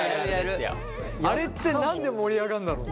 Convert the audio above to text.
あれって何で盛り上がんだろう。